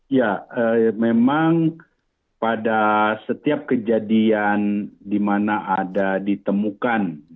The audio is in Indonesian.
ya memang pada setiap kejadian dimana ada ditemukan